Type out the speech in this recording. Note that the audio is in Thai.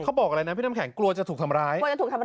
เขาบอกอะไรนะพี่น้ำแข็งกลัวจะถูกทำร้าย